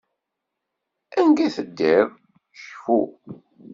Anga teddiḍ, cfu.